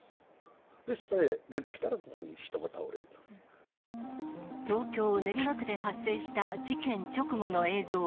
そして、出てきたら、東京・練馬区で発生した事件直後の映像。